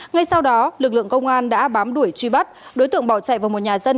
ngay sau đó lực lượng công an đã bám đuổi truy bắt đối tượng bỏ chạy vào một nhà dân